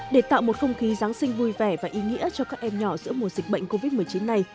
để tạo một không khí giáng sinh vui vẻ và ý nghĩa cho các em nhỏ giữa mùa dịch bệnh covid một mươi chín này